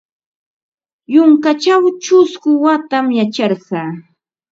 Yunkaćhaw ćhusku watam yacharqa.